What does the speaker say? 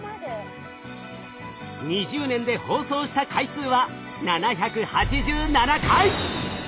２０年で放送した回数は７８７回！